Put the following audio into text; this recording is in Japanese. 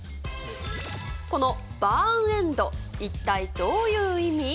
このバーンエンド、一体どういう意味？